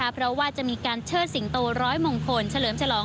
เพราะว่าจะมีการเชิดสิงโตร้อยมงคลเฉลิมฉลอง